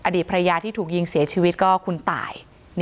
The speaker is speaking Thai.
อดีตภรรยาที่ถูกยิงเสียชีวิตก็คุณตาย